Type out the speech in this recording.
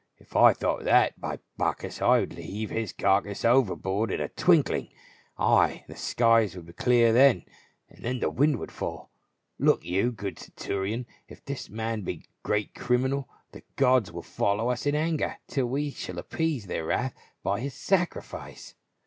If I thought that, by Bacchus, I would heave his carcase overboard in a twinkling ! Ay, the skies would clear then, and the wind would fall. Look you, good centurion, if this man be a great criminal, the gods will follow us in anger till we shall appease their wrath by his sacri fice."